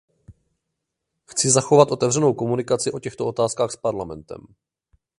Chci zachovat otevřenou komunikaci o těchto otázkách s Parlamentem.